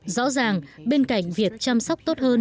rõ ràng bên cạnh việc chăm sóc tốt hơn